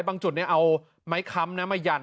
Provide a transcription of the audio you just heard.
บางจุดนี่เอาไม้คำมาหยั่น